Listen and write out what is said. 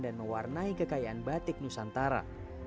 dan mewarnai kekayaan batik nusantara